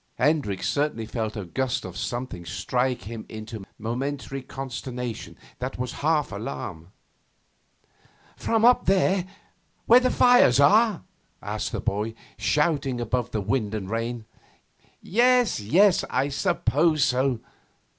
Hendricks certainly felt a gust of something strike him into momentary consternation that was half alarm. 'From up there, where the fires are?' asked the boy, shouting above the wind and rain. 'Yes, yes, I suppose so.